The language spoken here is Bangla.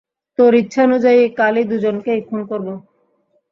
তোর ইচ্ছানুযায়ী কালই দুজনকেই খুন করব।